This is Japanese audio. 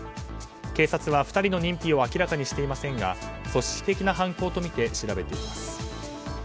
警察は２人の認否を明らかにしていませんが組織的な犯行とみて調べています。